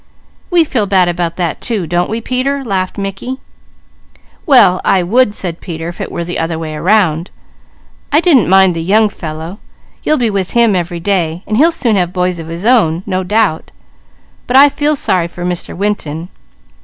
"We feel bad about that too, don't we, Peter?" laughed Mickey. "Well, I would," said Peter, "if it were the other way around. I didn't mind the young fellow. You'll be with him every day, and he'll soon have boys of his own no doubt; but I feel sorry for Mr. Winton.